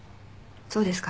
そうですか。